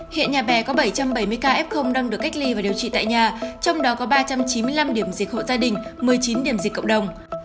hiện nhà bè có bảy trăm bảy mươi ca f đang được cách ly và điều trị tại nhà trong đó có ba trăm chín mươi năm điểm dịch hộ gia đình một mươi chín điểm dịch cộng đồng